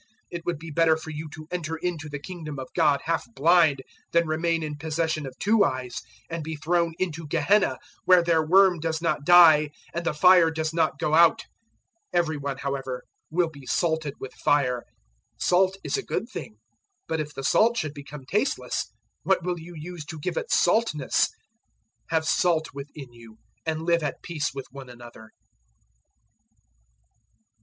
It would be better for you to enter into the Kingdom of God half blind than remain in possession of two eyes and be thrown into Gehenna, 009:048 where their worm does not die and the fire does not go out. 009:049 Every one, however, will be salted with fire. 009:050 Salt is a good thing, but if the salt should become tasteless, what will you use to give it saltness? Have salt within you and live at peace with one another."